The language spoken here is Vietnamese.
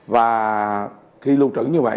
và khi luôn trụ như vậy